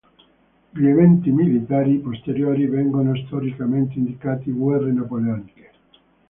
Gli eventi militari posteriori vengono storicamente indicati guerre napoleoniche.